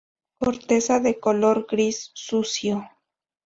Corteza de color gris sucio.